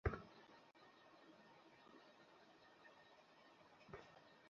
অহ, আমি যাবো।